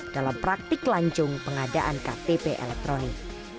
dalam praktik lancung pengadaan ktp elektronik